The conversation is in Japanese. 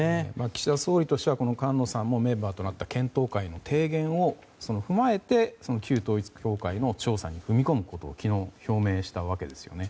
岸田総理としては菅野さんもメンバーとなった検討会の提言を踏まえて旧統一教会の調査に踏み込むことを昨日、表明したわけですよね。